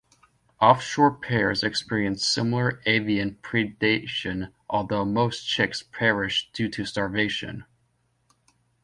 Off shore pairs experience similar avian predation although most chicks perish due to starvation.